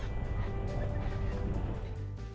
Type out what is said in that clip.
otomotif ketiga sindikan